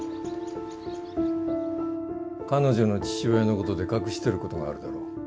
彼女の父親のことで隠してることがあるだろ？